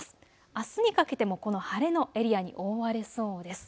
あすにかけてもこの晴れのエリアに覆われそうです。